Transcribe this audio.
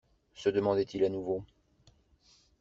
Se demandait-il à nouveau.